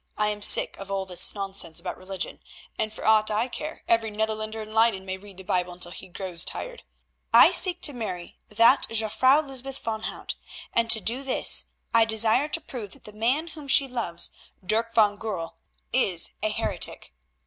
I am sick of all this nonsense about religion, and for aught I care every Netherlander in Leyden may read the Bible until he grows tired. I seek to marry that Jufvrouw Lysbeth van Hout, and to do this I desire to prove that the man whom she loves, Dirk van Goorl, is a heretic.